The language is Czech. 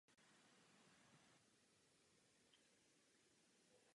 S Los Angeles Kings dvakrát získal Stanley Cup.